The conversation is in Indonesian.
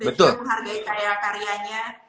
dan kita menghargai karya karyanya